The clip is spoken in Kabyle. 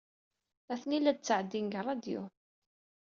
Atni la d-ttɛeddin deg ṛṛadyu.